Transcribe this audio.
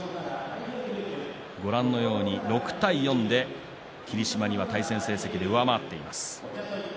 ご覧のように６対４で霧島には対戦成績、上回っています。